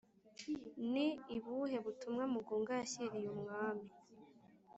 Ni ibuhe butumwa mugunga yashyiriye umwami